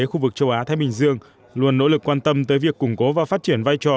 khu vực châu á thái bình dương luôn nỗ lực quan tâm tới việc củng cố và phát triển vai trò